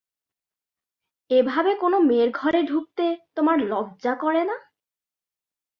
এভাবে কোনো মেয়ের ঘরে ঢুকতে, তোমার লজ্জা করেনা?